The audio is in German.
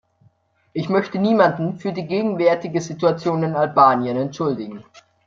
Ich möchte niemanden für die gegenwärtige Situation in Albanien entschuldigen.